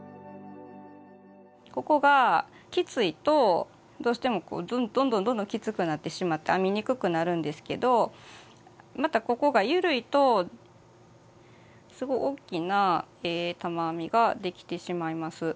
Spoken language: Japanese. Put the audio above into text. ここがきついとどうしてもどんどんどんどんきつくなってしまって編みにくくなるんですけどまたここが緩いとすごい大きな玉編みができてしまいます。